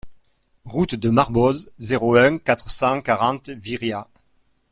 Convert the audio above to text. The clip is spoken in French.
Route de Marboz, zéro un, quatre cent quarante Viriat